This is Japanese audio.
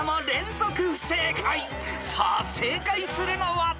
［さあ正解するのは？］